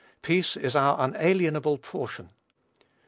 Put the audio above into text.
Peace is our unalienable portion.